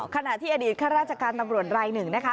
ขณะที่อดีตข้าราชการตำรวจรายหนึ่งนะคะ